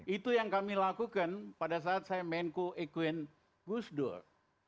itu yang kami lakukan pada saat saya menko ikuin gusdur